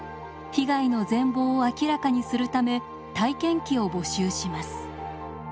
被害の全貌を明らかにするため体験記を募集します。